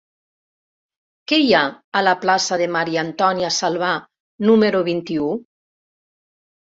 Què hi ha a la plaça de Maria-Antònia Salvà número vint-i-u?